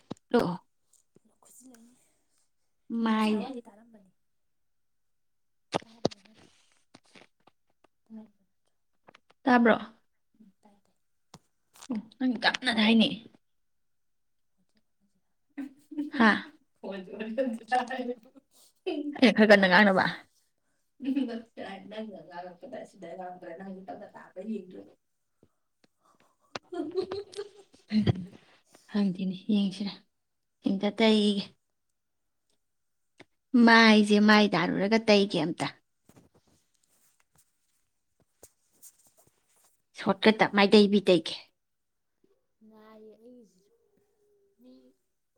[inaudible] ꯑꯣꯁꯥꯏꯋꯥꯏꯗꯤ ꯇꯥꯔꯝꯕꯅꯤ [inaudible] ꯑꯣ ꯅꯪ ꯀꯥꯟꯅꯅ ꯍꯥꯏꯅꯦ ꯍꯥ ꯈꯔ ꯀꯟꯅ ꯉꯥꯡꯅꯕ ꯍꯪꯗꯦꯅꯦ ꯌꯦꯡꯁꯤꯔꯦ ꯌꯦꯡꯗ ꯇꯩ ꯃꯥꯏꯁꯦ ꯃꯥꯏ ꯇꯥꯔꯨꯔꯒ ꯇꯩꯒꯦ ꯑꯝꯇ ꯁꯣꯇ ꯈꯛꯇ ꯃꯩꯇꯩꯕꯤꯇꯩꯒꯦ ꯅꯥꯏꯌꯦ ꯑꯩꯒꯤꯁꯤꯁꯨ ꯃꯤ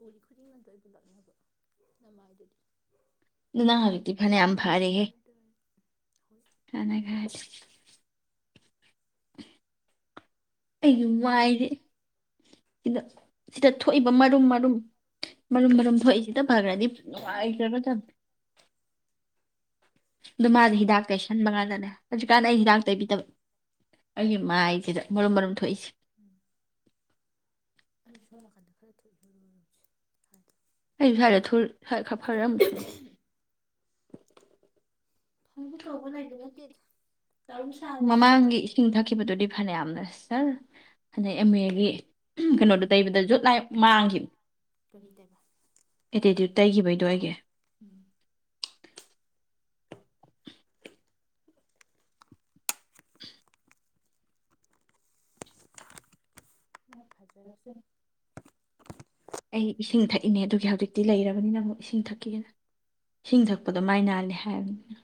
ꯎꯔꯤ ꯈꯨꯗꯤꯡꯃꯛꯇ ꯑꯩ ꯄꯨꯂꯛꯅꯕ ꯅꯃꯥꯏꯗꯨꯗꯤ [unintelligible] [unintelligible] ꯑꯩꯁꯨ ꯋꯥꯥꯏꯁꯦ ꯁꯤꯗ ꯁꯤꯗ ꯊꯣꯛꯏꯕ ꯃꯔꯨꯝ ꯃꯔꯨꯝ ꯃꯔꯨꯝ ꯃꯔꯨꯝ ꯊꯣꯛꯏꯁꯤꯗ ꯐꯈ꯭ꯔꯗꯤ ꯅꯨꯡꯉꯥꯏꯖꯔꯗꯕ ꯑꯗꯨ ꯃꯥꯁꯦ ꯍꯤꯗꯥꯛ ꯇꯩꯁꯟꯕ ꯀꯥꯟꯗꯅꯦ ꯍꯧꯖꯤꯛꯀꯥꯟꯗ ꯑꯩ ꯍꯤꯗꯥꯛ ꯇꯩꯕꯤꯗꯕ ꯑꯩꯒꯤ ꯃꯥꯏꯁꯤꯗ ꯃꯔꯨꯝ ꯃꯔꯨꯝ ꯊꯣꯛꯏꯁꯦ [unintelligible] ꯑꯩꯁꯨ ꯁꯥꯏꯗ ꯊꯨꯜ ꯁꯋꯥꯏꯗ ꯈꯥꯔ ꯐꯔꯝ ꯃꯃꯥꯡꯒꯤ ꯏꯁꯤꯡ ꯊꯛꯈꯤꯕꯗꯨꯗꯤ ꯐꯅꯌꯥꯝꯅ ꯁꯥꯔ ꯑꯗꯩ ꯑꯦꯝ ꯑꯦꯒꯤ ꯀꯩꯅꯣꯗꯣ ꯇꯩꯕꯗ ꯖꯨꯠ ꯂꯥꯏ ꯃꯥꯡꯈꯤꯕ ꯑꯦꯇꯤꯠꯇ꯭ꯌꯨꯠ ꯇꯩꯈꯤꯕꯩꯗꯣ ꯑꯩꯒꯤ [unintelligible] ꯑꯩ ꯏꯁꯤꯡ ꯊꯛꯏꯅꯦ ꯑꯗꯨꯒꯤ ꯍꯧꯖꯤꯛꯇꯤ ꯂꯩꯔꯕꯅꯤꯅ ꯑꯃꯨꯛ ꯏꯁꯤꯡ ꯊꯛꯈꯤꯒꯅ ꯏꯁꯤꯡ ꯊꯛꯄꯗꯣ ꯃꯥꯏ ꯅꯥꯜꯂꯦ ꯍꯥꯏꯕꯅꯤꯅ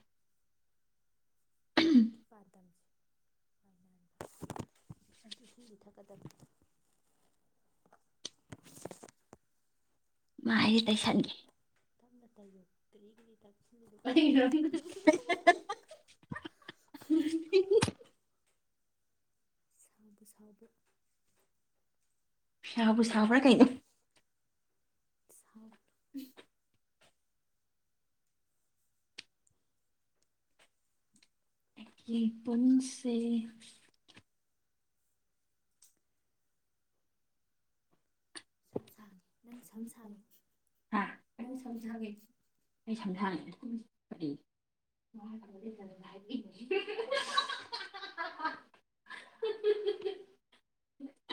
[inaudible] ꯑꯗꯨ ꯏꯁꯤꯡ ꯊꯛꯀꯗꯕꯅꯦ ꯃꯥꯏꯗꯤ ꯇꯩꯁꯟꯒꯦ ꯇꯔꯤ ꯇꯔꯤ [unintelligible] [unintelligible] ꯁꯥꯎꯕꯨ ꯁꯥꯎꯕ꯭ꯔꯥ ꯀꯩꯅꯣ [inaudible] ꯎꯝ [unintelligible] ꯄꯨꯡꯁꯦ [unintelligible] [unintelligible] [unintelligible]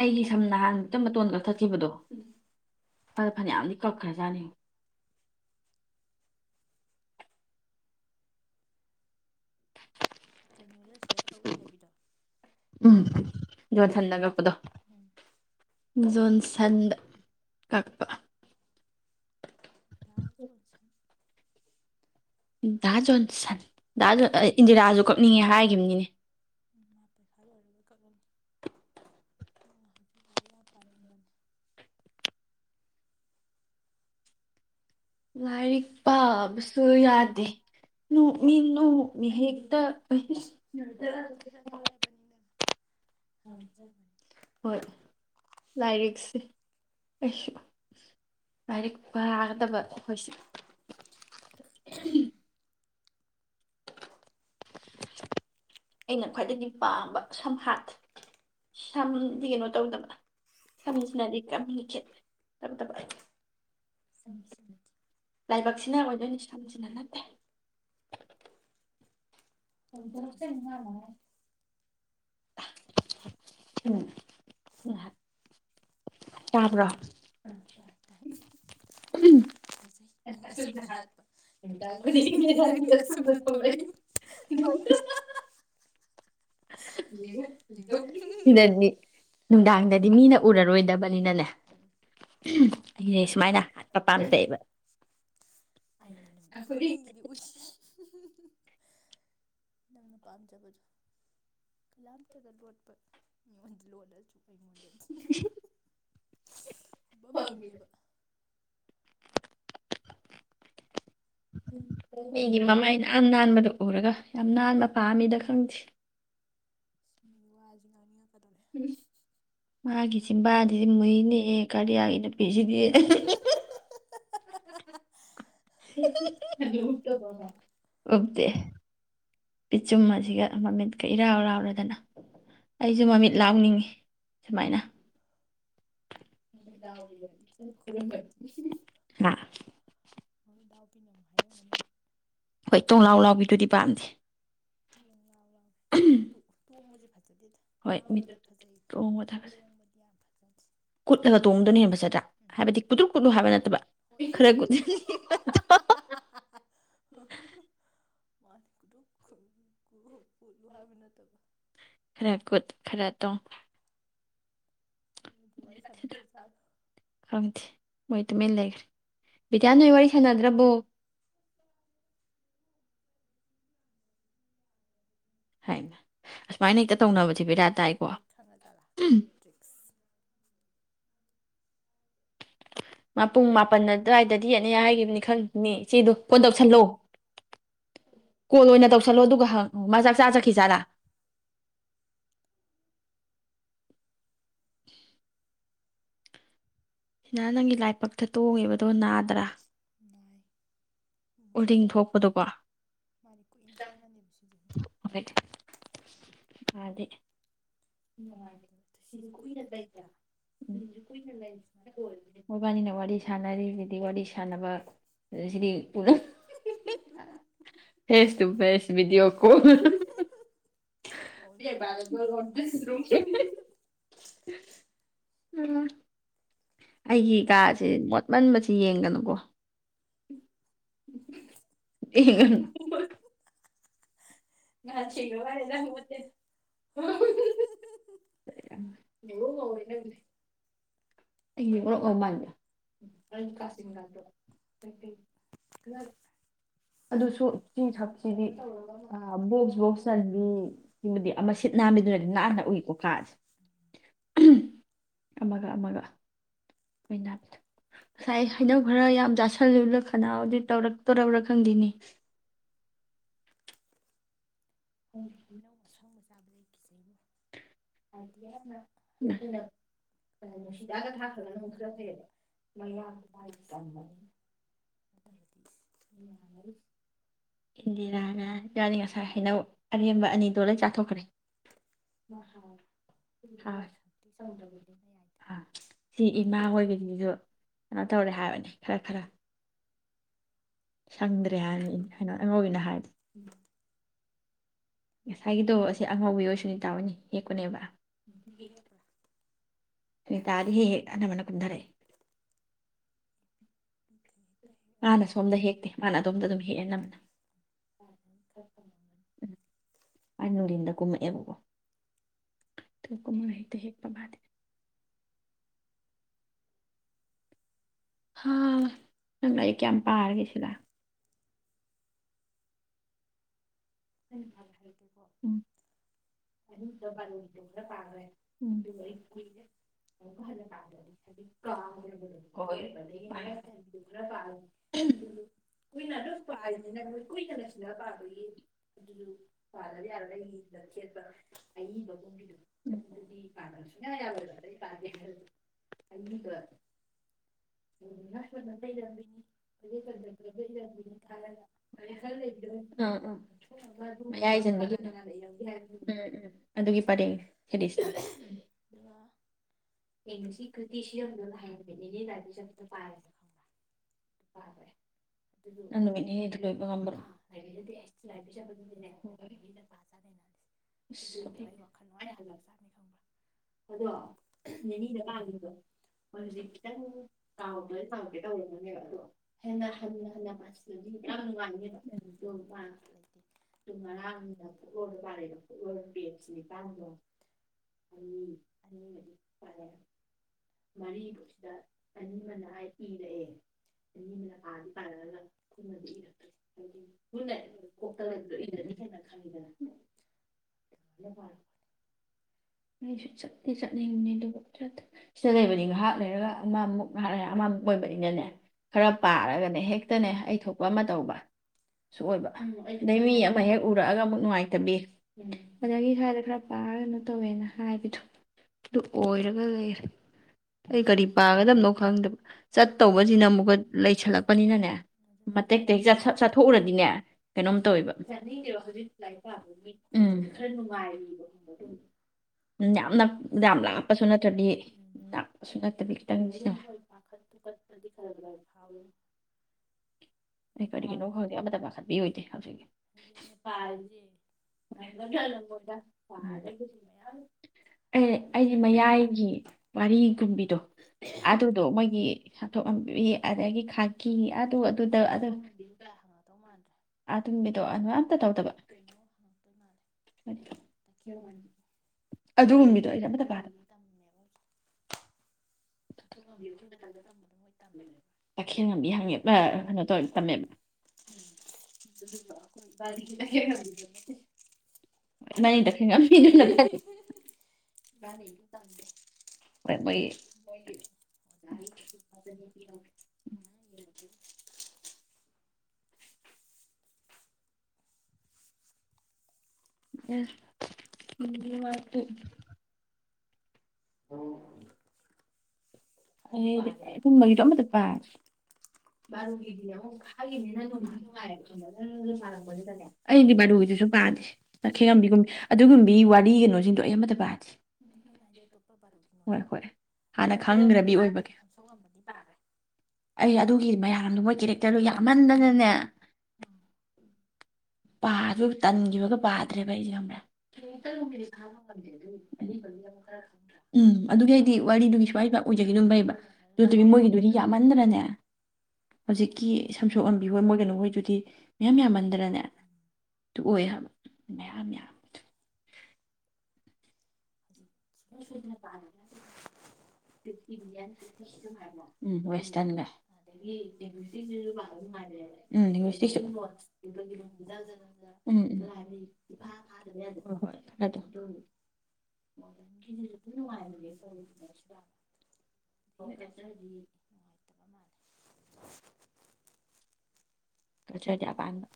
ꯑꯩꯒꯤ ꯁꯝ ꯅꯍꯥꯟ ꯃꯨꯛꯇ ꯃꯇꯣꯟ ꯀꯛꯊꯛꯈꯤꯕꯗꯣ ꯐꯅ ꯐꯅ ꯌꯥꯝꯗꯤ ꯀꯛꯈ꯭ꯔꯖꯥꯠꯅꯤ ꯎꯝ ꯖꯣꯟꯁꯟꯗ ꯀꯛꯄꯗꯣ ꯖꯣꯟꯁꯟꯗ ꯀꯛꯄ [inaudible] ꯗꯥ ꯖꯣꯟꯁꯟ [inaudible] [inaudible] ꯂꯥꯏꯔꯤꯛ ꯄꯥꯕꯁꯨ ꯌꯥꯗꯦ ꯅꯣꯛꯃꯤ ꯅꯣꯛꯃꯤ ꯍꯦꯛꯇ ꯎꯏ ꯍꯣꯏ ꯂꯥꯏꯔꯤꯛꯁꯦ ꯀꯩꯁꯨ [inaudible] ꯂꯥꯏꯔꯤꯛ ꯄꯥꯒꯗꯕ ꯑꯩꯈꯣꯏꯁꯨ ꯑꯩꯅ ꯈ꯭ꯋꯥꯏꯗꯒꯤ ꯄꯥꯝꯕ ꯁꯝꯍꯥꯠ ꯁꯝꯗꯤ ꯀꯩꯅꯣ ꯇꯧꯗꯕ ꯁꯝꯁꯤꯅꯗꯤ ꯀꯝꯅꯤ ꯈꯦꯠ ꯇꯧꯗꯕ ꯂꯥꯏꯕꯛꯁꯤꯅ ꯑꯣꯏꯗꯣꯏꯅꯤ ꯁꯝꯁꯤꯅ ꯅꯠꯇꯦ [unintelligible] ꯇꯥꯕ꯭ꯔꯣ [inaudible] [unintelligible] ꯅꯪ ꯑꯁꯨꯝꯅ ꯍꯥꯠꯄ ꯅꯨꯃꯤꯗꯥꯡ ꯈꯨꯗꯤꯡꯒꯤ ꯅꯪꯗꯤ ꯑꯁꯨꯝꯅ ꯊꯣꯛꯂꯛꯏ ꯁꯤꯗꯗꯤ ꯅꯨꯡꯗꯥꯡꯗꯗꯤ ꯃꯤꯅ ꯎꯔ ꯔꯣꯏꯗꯕꯅꯤꯅꯅꯦ ꯑꯅꯦ ꯁꯨꯃꯥꯏꯅ ꯍꯥꯠꯄ ꯄꯥꯝꯖꯩ ꯑꯕ [inaudible] ꯅꯪꯅ ꯄꯥꯝꯖꯕꯗꯣ ꯀꯂꯥꯝꯇꯗ ꯂꯣꯠꯄ ꯃꯉꯣꯟꯗ ꯂꯣꯟꯠꯂꯁꯨ [unintelligible] ꯎꯕ ꯐꯪꯏꯕ [unintelligible] ꯃꯤꯒꯤ ꯃꯃꯥꯏ ꯌꯥꯝ ꯅꯟ ꯅꯥꯟꯕꯗꯨ ꯎꯔꯒ ꯅꯟꯕ ꯄꯥꯝꯃꯤꯗ ꯈꯪꯗꯦ [inaudible] ꯃꯥꯒꯤ ꯆꯤꯟꯕꯥꯟ ꯗꯤ ꯃꯨꯏꯅꯦꯍꯦ ꯀꯥꯔꯌꯥ ꯑꯩꯅ ꯄꯤꯁꯤꯗꯤ [inaudible] ꯎꯞꯇꯦ ꯄꯤꯆꯨꯝ ꯑꯁꯤꯒ ꯃꯃꯤꯠꯀ ꯏꯔꯥꯎꯔꯥꯎꯔꯗꯅ ꯑꯩꯁꯨ ꯃꯃꯤꯠ ꯂꯥꯎꯅꯤꯡꯉꯤ ꯁꯨꯃꯥꯏꯅ ꯃꯩ ꯗꯥꯎꯕꯤꯅꯗꯤ ꯈꯤꯇꯪ ꯈꯨꯔꯝꯃꯗꯤ ꯃ ꯗꯥꯎꯕꯤꯅ ꯑꯃꯨ ꯍꯥꯏꯔꯝꯒꯅꯤ ꯇꯣꯡꯕꯖꯦ [inaudible] [inaudible] ꯀꯨꯠꯂꯒ ꯇꯣꯡꯕꯗꯨꯅ ꯍꯦꯟꯕ ꯐꯖꯗ꯭ꯔ ꯍꯥꯏꯕꯗꯤ ꯀꯨꯗ꯭ꯔꯨꯛ ꯀꯨꯠꯂꯨ ꯍꯥꯏꯕ ꯅꯠꯇꯕ ꯈꯔ ꯀꯨꯠꯂꯨ [inaudible] [inaudible] ꯈꯔ ꯀꯨꯠ ꯈꯔ ꯇꯦꯡ ꯈꯪꯗꯦ ꯃꯣꯏ ꯇꯨꯃꯤꯟ ꯂꯩꯈ꯭ꯔꯦ ꯕꯤꯇ꯭ꯌꯥ ꯅꯣꯏ ꯋꯥꯔꯤ ꯁꯥꯅꯗ꯭ꯔꯕꯣ ꯍꯥꯏꯃ ꯑꯁꯨꯃꯥꯏꯅ ꯍꯦꯛꯇ ꯇꯧꯅꯕꯁꯤ ꯕꯦꯔꯥ ꯇꯥꯏꯀꯣ ꯃꯄꯨꯡ ꯃꯥꯄꯜ ꯑꯗꯨꯋꯥꯏꯗꯗꯤ ꯌꯦꯅꯤ ꯍꯥꯏꯈꯤꯕꯅꯤ ꯈꯪꯅꯦ ꯏꯆꯦꯗꯣ ꯀꯣꯟꯜ ꯇꯧꯁꯜꯂꯣ ꯀꯣꯜ ꯑꯣꯏꯅ ꯇꯧꯁꯜꯂꯣ ꯑꯗꯨꯒ ꯃ ꯆꯥꯛ ꯆꯥ ꯆꯠꯈꯤꯖꯥꯔꯥ [inaudible] ꯁꯤꯅꯥ ꯅꯪꯒꯤ ꯂꯥꯏꯕꯛꯇ ꯇꯣꯡꯉꯤꯕꯗꯣ ꯅꯥꯗ꯭ꯔꯥ ꯁꯤꯡ ꯃꯣꯂꯨ ꯃꯥꯗꯤ ꯀꯨꯏꯅ ꯆꯪꯉꯅꯦꯕ ꯁꯤꯁꯦ [inaudible] ꯃꯕꯥꯟꯅꯤꯅ ꯋꯥꯔꯤ ꯁꯥꯟꯅꯔꯤ ꯋꯥꯔꯤ ꯁꯥꯟꯅꯕ ꯔꯤ [unintelligible] face to face video call [inaudible] ꯍꯤꯍꯤ [inaudible] ꯑꯩꯒꯤ ꯀꯥꯁꯦ ꯃꯣꯠꯃꯟꯕꯁ ꯁꯤ ꯌꯦꯡꯒꯅꯨꯀꯣ ꯏꯒ [unintelligible] ꯅꯍꯥꯟ ꯁꯤꯡꯈ꯭ꯔꯥ ꯃꯥꯜꯂꯦꯗ ꯍꯧꯒꯠꯇꯦ [inaudible] ꯉꯧꯔꯣꯛ ꯉꯧꯋꯦ ꯅꯪꯗꯤ ꯑꯩ ꯉꯣꯔꯣꯀ ꯉꯧ ꯃꯥꯟꯕꯔꯥ [unintelligible] ꯑꯗꯨꯁꯨ ꯆꯨ ꯊꯛꯁꯤꯗꯤ ꯕꯣꯛꯁ ꯕꯣꯛꯁ ꯆꯟꯕꯤ ꯁꯤꯕꯨꯗꯤ ꯑꯃ ꯁꯤꯠ ꯅꯥꯝꯃꯤꯗꯨꯅꯗꯤ ꯅꯥꯟꯅ ꯎꯏꯀꯣ ꯀꯥꯁꯦ ꯑꯃꯒ ꯑꯃꯒ ꯃꯤꯅ ꯉꯁꯥꯏ ꯍꯩꯅꯧ ꯈꯔ ꯌꯥꯝ ꯆꯥꯥꯁꯜꯂꯨꯂ ꯈꯅꯥꯎꯗꯤ ꯇꯧꯔꯛꯇꯣꯔꯕꯔꯥ ꯈꯪꯗꯦꯅꯦ ꯈꯪꯗꯦ ꯍꯩꯅꯧ ꯑꯁꯪꯕꯁꯦ ꯇꯥꯕꯗ ꯀꯤꯖꯩꯅꯦ ꯅꯨꯡꯁꯤꯗꯥꯛꯀꯥ ꯊꯛꯈꯔꯒꯅꯥ ꯑꯃꯨꯛ ꯈꯔꯥ ꯐꯩꯌꯦꯕꯥ [inaudible] ꯑꯔꯦꯝꯕ ꯑꯅꯤꯗꯣ ꯂꯣꯏ ꯆꯥꯊꯣꯛꯈ꯭ꯔꯦ ꯑꯥ ꯁꯤ ꯏꯃꯥ ꯍꯣꯏꯒꯤꯗꯤꯁꯨ ꯀꯩꯅꯣ ꯇꯧꯔꯦ ꯍꯥꯏꯕꯅꯤ ꯈꯔ ꯈꯔ ꯁꯪꯗ꯭ꯔꯦ ꯍꯥꯏꯅ ꯀꯩꯅꯣ ꯑꯩꯉꯣꯏꯒꯤꯅ ꯍꯥꯏꯕ ꯉꯁꯥꯏꯒꯤꯗꯣ ꯑꯁꯤ ꯑꯉꯧꯕꯤꯍꯣꯏ ꯁꯨꯅꯤꯇꯥꯍꯣꯏꯅꯥ ꯍꯦꯛꯄꯅꯦꯕꯥ ꯁꯨꯅꯤꯇꯥꯗꯤ ꯍꯦꯛ ꯍꯦꯛ ꯑꯅꯝꯕꯅꯥ ꯀꯨꯝꯊꯔꯛꯏ [inaudible] ꯃꯥꯅ ꯁꯣꯝꯗ ꯍꯦꯛꯇꯦ ꯃꯥꯅ ꯑꯗꯣꯝꯗ ꯑꯗꯨꯝ ꯍꯦꯛꯑꯦ ꯅꯝꯕꯅ ꯎꯝ ꯅꯨꯡꯗꯤꯟꯗ ꯀꯨꯝꯃꯛꯑꯦꯕꯀꯣ ꯀꯨꯝꯃꯒ ꯍꯦꯛꯇ ꯍꯦꯛꯄ ꯃꯥꯗꯤ ꯍꯥ ꯅꯪ ꯂꯥꯏꯔꯤꯛ ꯀꯌꯥꯝ ꯄꯥꯔꯒꯦ ꯁꯤꯗ ꯑꯩꯅ ꯄꯥꯕ ꯍꯥꯏꯔꯛꯀꯦꯀꯣ ꯑꯅꯤꯔꯤꯕ ꯕꯥꯔꯣ ꯂꯤꯠꯇꯣ ꯈꯔ ꯄꯥꯈ꯭ꯔꯦ ꯑꯗꯨꯕꯨ ꯑꯩ ꯀꯨꯏꯔꯦ ꯑꯃꯨꯛꯀ ꯍꯟꯅ ꯄꯥꯗ꯭ꯔꯗꯤ ꯍꯥꯏꯖꯤꯛ ꯀꯥꯎꯈ꯭ꯔꯕꯗꯣ ꯑꯗꯨꯑꯣꯏꯕ ꯑꯗꯒꯤ ꯃꯌꯥꯏ ꯆꯟꯕꯤꯗꯨ ꯈꯔ ꯄꯥꯈꯤ ꯑꯗꯨꯁꯨ ꯀꯨꯏꯅ ꯑꯗꯨꯝ ꯄꯥꯔꯤꯅꯤꯅ ꯅꯣꯏ ꯀꯨꯏꯅ ꯂꯩꯁꯤꯜꯂꯒ ꯄꯥꯕꯒꯤ [unintelligible] ꯆꯊꯣꯛꯅꯕ ꯑꯗꯨꯒꯣꯡꯉꯕ ꯀꯅꯥ ꯀꯅꯥꯅ ꯏꯔꯝꯒꯦ ꯍꯥꯏꯕꯤꯅꯤꯡꯕꯗꯣ ꯑꯗꯨꯒ ꯅꯪ ꯅꯨꯃꯤꯠꯅꯤꯅꯤꯗ ꯂꯣꯏꯕ ꯉꯝꯕ꯭ꯔꯣ ꯁꯤꯂꯥꯏ ꯄꯤꯖꯕꯗꯨꯗꯤꯅꯦ ꯅꯨꯃꯤꯠ ꯅꯤꯅꯤꯅ ꯄꯄꯥ ꯆꯥꯗꯩꯅꯁꯦ ꯑꯗꯨꯒꯤꯗꯣ ꯑꯩ ꯋꯥꯈꯜ ꯅꯨꯡꯉꯥꯏꯅ ꯍꯜꯂꯛ ꯆꯥꯅꯤ ꯈꯪꯕ꯭ꯔꯥ ꯑꯗꯣ ꯅꯅꯤꯡꯗ ꯄꯥꯟꯕꯥꯗꯣ ꯑꯗꯨꯗꯤ ꯈꯤꯇꯪ ꯀꯥꯎꯕ ꯀꯥꯎꯒꯦ ꯇꯧꯏꯕ ꯑꯗꯣ ꯍꯦꯟꯅ ꯍꯟꯅ ꯄꯥꯁꯟꯂꯥꯗꯤ ꯌꯥꯝ ꯅꯨꯉꯥꯏꯅꯦꯕꯥ ꯑꯗꯣ ꯂꯩꯇꯦ ꯑꯗꯨ ꯉꯔꯥꯡꯅ ꯐꯨꯛꯂꯣꯔꯗ ꯄꯥꯔꯛꯑꯦꯕ ꯐꯨꯛꯂꯣꯔ ꯄꯦꯠꯁ ꯅꯤꯄꯥꯟꯗꯣ ꯑꯅꯤ ꯑꯅꯤꯃꯗꯤ ꯃꯔꯤꯗꯨꯗ ꯑꯅꯤ ꯑꯃꯅ ꯏꯔꯛꯑꯦ ꯑꯅꯤ ꯑꯃꯅ ꯄꯥꯗꯤ ꯄꯥꯔꯛ ꯑꯒꯥ ꯈꯨꯠꯅꯗꯤ ꯏꯔꯛꯇ꯭ꯔꯦ [unintelligible] ꯆꯠꯇꯤ ꯆꯠꯅꯤꯡ ꯃꯤꯡꯅꯤ ꯑꯗꯨꯕꯨ ꯁꯤꯗ ꯂꯩꯕꯅꯤ ꯉꯥꯏꯍꯥꯛ ꯂꯩꯔꯒ ꯑꯃꯃꯨꯛ ꯉꯥꯏꯍꯥꯛ ꯑꯃꯃꯨꯛ ꯑꯣꯏꯕꯅꯤꯅꯅꯦ ꯈꯔ ꯄꯥꯔꯒꯅꯦ ꯍꯦꯛꯇꯅꯦ ꯑꯩ ꯊꯣꯛꯄ ꯑꯃ ꯇꯧꯕꯁꯨ ꯑꯣꯏꯕ ꯑꯗꯩ ꯃꯤ ꯑꯃ ꯍꯦꯛ ꯎꯔꯛꯑꯒ ꯑꯃꯨꯛ ꯅꯨꯡꯉꯥꯏꯇꯕꯤ ꯑꯗꯒꯤ ꯁ꯭ꯋꯥꯏꯗ ꯈꯔ ꯄꯥꯔꯒꯅ ꯇꯧꯋꯦꯅ ꯍꯥꯏꯕꯤꯗꯣ ꯑꯗꯨ ꯑꯣꯏꯔꯒ ꯂꯩꯔꯦ ꯑꯩ ꯀꯔꯤ ꯄꯥꯒꯗꯕꯅꯣ ꯈꯪꯗꯕ ꯆꯠꯇꯧꯕꯁꯤꯅ ꯑꯃꯨꯛꯀ ꯂꯩꯁꯜꯂꯛꯄꯅꯤꯅꯅꯦ ꯃꯇꯦꯛ ꯇꯦꯛ ꯁꯇ ꯆꯥꯊꯣꯛꯎꯔꯗꯤꯅꯦ ꯀꯩꯅꯣꯝ ꯇꯧꯋꯦꯕ ꯎ ꯎꯝ ꯌꯥꯝꯅ ꯗꯥꯝ ꯂꯥꯛꯄꯁꯨ ꯅꯠꯇ꯭ ꯗ ꯍꯣꯏ ꯄꯥꯈꯠ ꯊꯨꯀꯠꯄꯗꯤ ꯈꯔ ꯈꯔ ꯐꯥꯎꯋꯤꯅꯦ ꯑꯩ ꯀꯔꯤꯒꯤꯅꯣ ꯈꯪꯗꯦ ꯑꯃꯠꯇ ꯄꯥꯈꯠꯄꯤꯔ ꯑꯣꯏꯗꯦ ꯍꯧꯖꯤꯛ ꯑꯦ ꯑꯩꯒꯤ ꯃꯌꯥꯏꯒꯤ ꯋꯥꯔꯤ ꯇꯨꯝꯕꯤꯗꯣ ꯑꯗꯨꯗꯣ ꯃꯣꯏꯒꯤ ꯍꯥꯊꯣꯛꯕꯤ ꯑꯗꯒꯤ ꯈꯥꯀꯤ ꯑꯗꯨ ꯁꯣꯛ ꯉꯝꯕꯤꯗꯨ ꯀꯥꯏ ꯍꯪꯉꯗꯧ ꯃꯥꯟꯗ꯭ꯔꯥ ꯑꯥꯗꯨꯅꯤꯗꯣ ꯑꯗꯨꯏ ꯑꯝꯇ ꯇꯧꯗꯕ ꯑꯗꯨꯒꯨꯝ ꯃꯤꯗꯣ ꯑꯩꯩꯅ ꯑꯃꯠꯇ ꯄꯥꯗꯕ ꯇꯈꯦꯜ ꯉꯝꯕꯤ ꯍꯪ ꯀꯩꯅꯣ ꯇꯝꯃꯦꯕ [unintelligible] ꯅꯪꯒꯤ ꯇꯈꯦꯜ ꯉꯝꯕ ꯅꯠꯇꯦ ꯃꯣꯏꯒꯤ [inaudible] ꯌꯔꯦ [unintelligible] [unintelligible] ꯑꯗꯨꯨꯝꯕꯒꯤꯗꯣ ꯑꯃꯗ ꯄꯥꯏꯗꯕꯦ [unintelligible] ꯑꯩꯗꯤ ꯕꯥꯂꯨꯒꯤꯗꯨꯁꯨ ꯄꯥꯗꯦ ꯇꯈꯦꯡꯉꯝꯕꯤꯒꯨꯝ ꯑꯗꯨꯒꯨꯝꯕꯤ ꯋꯥꯔꯤ ꯀꯩꯅꯣꯁꯤꯡꯗꯣ ꯑꯩ ꯑꯃꯠꯇ ꯄꯥꯗꯦ ꯍꯣꯏ ꯍꯣꯏ ꯍꯥꯟꯅ ꯈꯥꯡꯈ꯭ꯔꯕꯤ ꯑꯣꯏꯕꯒꯦ ꯑꯩ ꯑꯗꯨ ꯃꯌꯥꯝ ꯗ ꯃꯣꯏ ꯀꯦꯔꯦꯛꯇꯔꯗꯨ ꯌꯥꯝꯃꯟꯗꯅꯅꯦ ꯇꯟꯈꯤꯕꯒ ꯄꯥꯗ꯭ꯔꯦꯕ ꯑꯩꯁ ꯈꯪꯕ꯭ꯔ ꯎꯝ ꯑꯗꯨꯒꯤ ꯑꯩꯗꯤ ꯋꯥꯔꯤꯗꯨꯒꯤ ꯁ꯭ꯋꯥꯏ ꯑꯣꯏꯖꯈꯤꯅꯕꯩꯕ ꯑꯗꯨꯗꯨꯒꯤ ꯃꯣꯏꯒꯤꯗꯨꯗꯤ ꯌꯥꯝꯃꯟꯗꯅꯅꯦ ꯍꯧꯖꯤꯛꯀꯤ ꯁꯝꯁꯣꯛꯑꯝꯕꯤꯍꯣꯏ ꯃꯣꯏꯒꯅꯨ ꯍꯣꯏꯗꯨꯗꯤ ꯃꯌꯥꯝ ꯌꯥꯝꯃꯟꯗ꯭ꯔꯅꯅꯦ ꯇꯣꯛ ꯑꯣꯏꯍꯕ ꯃꯌꯥꯝ ꯌꯥꯝꯌꯥꯝ ꯍꯧꯖꯤ [unintelligible] ꯎꯝ ꯋꯦꯁꯇꯔꯟꯒ ꯎꯝ ꯎꯝ ꯎ ꯑ ꯍꯣꯏ ꯑꯗꯨꯗ [inaudible] ꯑꯗꯨꯝ ꯅꯨꯡꯉꯥꯏꯕꯅꯦ ꯀꯔꯣ ꯈꯨꯗꯤꯡꯃꯛꯁꯦ ꯕ ꯑꯗꯒꯤ ꯀꯜꯆꯔꯗꯤ ꯅꯨꯡꯉꯥꯏꯇꯕ ꯃꯥꯜꯂꯦ ꯀꯜꯆꯔꯗꯤ ꯑꯄꯥꯟꯕ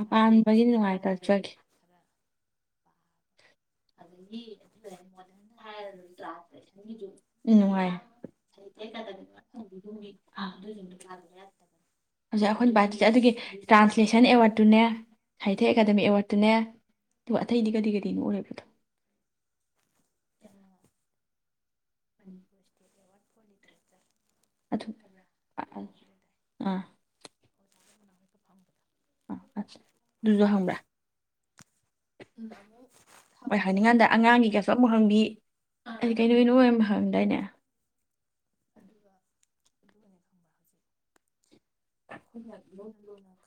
ꯑꯄꯥꯝꯕꯒꯤ ꯅꯨꯡꯉꯥꯏ ꯇꯆꯒꯅꯨꯡꯉꯥꯏ ꯑꯩꯈꯣꯏꯅ ꯚꯥꯏꯁꯦ ꯑꯗꯨꯒꯤ ꯇ꯭ꯔꯥꯟꯁꯂꯦꯁꯟ ꯑꯦꯋꯥꯗ ꯑꯗꯨꯨꯅꯦ ꯁꯥꯍꯤꯇ꯭ꯌ ꯑꯦꯀꯥꯗꯃꯤ ꯑꯦꯋꯥꯔꯗꯠꯇꯨꯅꯦ ꯑꯗꯨꯒ ꯑꯇꯩꯗꯤ ꯀꯔꯤ ꯀꯔꯤꯅꯣꯑꯣꯏꯕꯗꯣ ꯃꯅꯤꯄꯨꯔ ꯏꯁꯇꯦꯠ ꯑꯦꯋꯥ ꯐꯣꯡꯗꯔꯦꯗ [unintelligible] [unintelligible] ꯑꯗꯨꯖꯨ ꯍꯪꯕꯔꯥ ꯃꯣꯏ ꯍꯪꯅꯤꯡꯉ ꯀꯥꯟ ꯑꯉꯥꯡꯖꯨ ꯑꯃꯨꯛ ꯍꯪꯕꯤ ꯗꯥꯏꯅꯦ ꯑꯗꯨꯒ ꯑꯗꯨꯅꯦ ꯈꯪꯕ ꯍꯧꯖꯤꯛ [unintelligible]